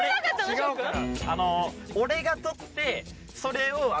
違うから！